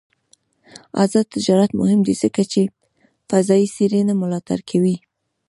آزاد تجارت مهم دی ځکه چې فضايي څېړنې ملاتړ کوي.